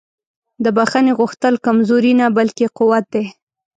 د بښنې غوښتل کمزوري نه بلکې قوت دی.